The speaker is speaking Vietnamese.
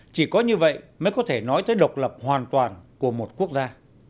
chỉ có như vậy mới có thể nói tới độc lập hoàn toàn của một quốc gia